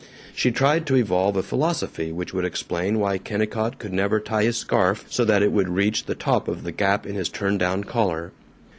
She tried to evolve a philosophy which would explain why Kennicott could never tie his scarf so that it would reach the top of the gap in his turn down collar.